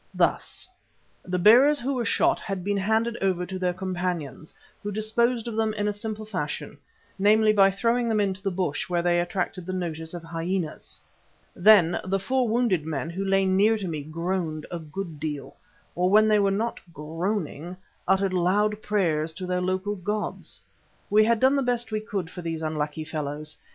Thus, the bearers who were shot had been handed over to their companions, who disposed of them in a simple fashion, namely by throwing them into the bush where they attracted the notice of hyenas. Then the four wounded men who lay near to me groaned a good deal, or when they were not groaning uttered loud prayers to their local gods. We had done the best we could for these unlucky fellows.